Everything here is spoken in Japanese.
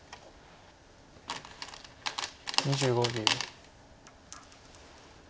２５秒。